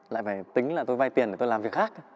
lại phải tính là tôi vay tiền để tôi làm việc khác